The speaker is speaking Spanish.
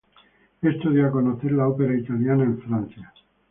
Esto dio a conocer la ópera italiana en Francia.